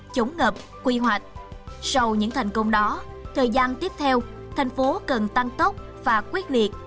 chống ngập quy hoạch sau những thành công đó thời gian tiếp theo thành phố cần tăng tốc và quyết liệt